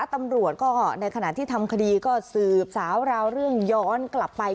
ตำรวจก็ในขณะที่ทำคดีก็สืบสาวราวเรื่องย้อนกลับไป